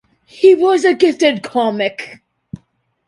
He was a gifted comic.